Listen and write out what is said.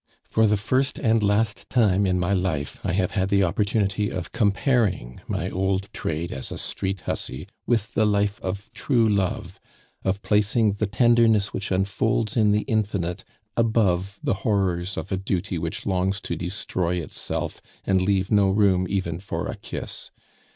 For the first and last time in my life I have had the opportunity of comparing my old trade as a street hussy with the life of true love, of placing the tenderness which unfolds in the infinite above the horrors of a duty which longs to destroy itself and leave no room even for a kiss.